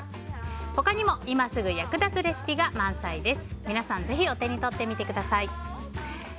他にも今すぐ役立つレシピが満載です。